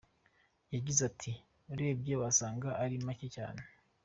Yagize ati“Urebye wasanga ari make cyane.